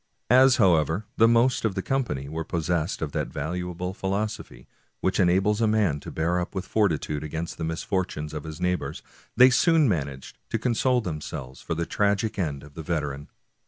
As, however, the most of the company were possessed of that valuable philosophy which enables a man to bear up with fortitude against the misfortunes of his neighbors, they soon managed to console themselves for the tragic end of 197 American Mystery Stories the veteran.